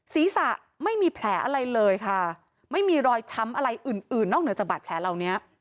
ศีรษะไม่มีแผลอะไรเลยค่ะไม่มีรอยช้ำอะไรอื่นอื่นนอกเหนือจากบาดแผลเหล่านี้